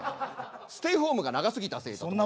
ステイホームが長すぎたせいだと。